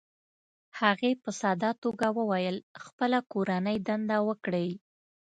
هغې په ساده توګه وویل: "خپله کورنۍ دنده وکړئ،